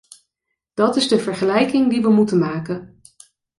Dat is de vergelijking die we moeten maken.